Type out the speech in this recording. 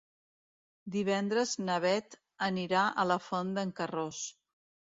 Divendres na Beth anirà a la Font d'en Carròs.